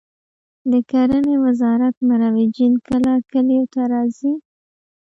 د کرنې وزارت مروجین کله کلیو ته راځي؟